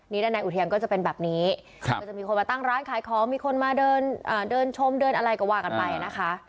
นี่ด้านในอุทยานก็จะเป็นแบบนี้ก็จะมีคนมาตั้งร้านขายของมีคนมาเดินชมเดินอะไรก็ว่ากันไปนะคะ